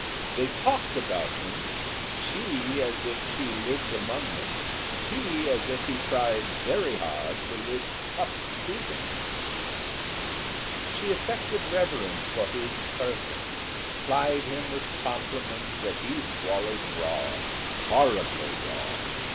They talked about them she, as if she lived among them; he, as if he tried very hard to live up to them. She affected reverence for his person, plied him with compliments that he swallowed raw horribly raw.